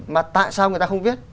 mà tại sao người ta không viết